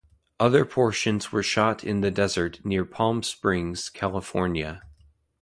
Other portions were shot in the desert near Palm Springs, California.